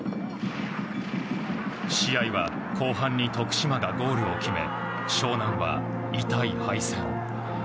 試合は後半に徳島がゴールを決め湘南は痛い敗戦。